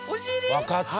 わかった。